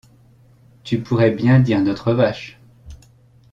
Tu pourrais bien dire notre vache.